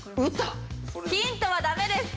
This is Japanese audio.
ヒントはダメです。